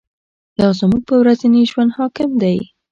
دا زموږ په ورځني ژوند حاکم دی.